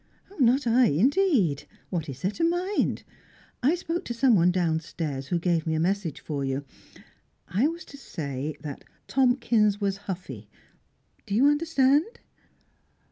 "Not I, indeed! What is there to mind? I spoke to someone downstairs who gave me a message for you. I was to say that Tomkins was huffy. Do you understand?"